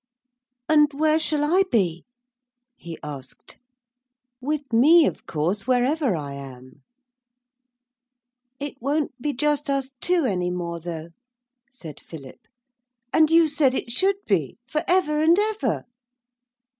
'And where shall I be?' he asked. 'With me, of course, wherever I am.' 'It won't be just us two any more, though,' said Philip, 'and you said it should be, for ever and ever.'